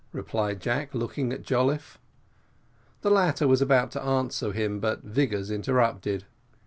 replied Jack, looking at Jolliffe. The latter was about to answer him, but Vigors interrupted.